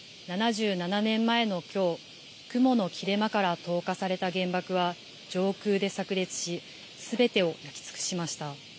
７７年前のきょう、雲の切れ間から投下された原爆は上空でさく裂し、すべてを焼き尽くしました。